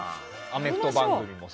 アメフト番組も。